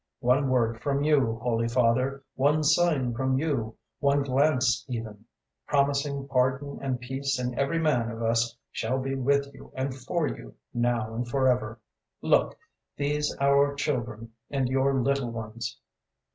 One word from you, Holy Father, one sign from you, one glance even, promising pardon and peace, and every man of us shall be with you and for you, now and for ever! Look these our children and your little ones!'